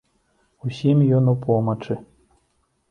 Усім ён у помачы.